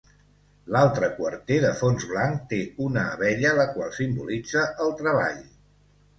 L'altre quarter, de fons blanc, té una abella, la qual simbolitza el treball.